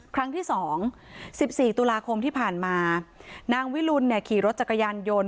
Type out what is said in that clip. ครั้งที่สองสิบสี่ตุลาคมที่ผ่านมานางวิลุนเนี่ยขี่รถจักรยานยนต์